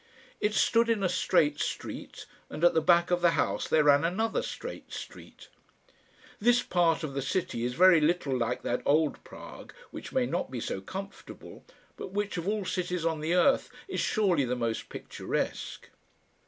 It stood in a straight street, and at the back of the house there ran another straight street. This part of the city is very little like that old Prague, which may not be so comfortable, but which, of all cities on the earth, is surely the most picturesque.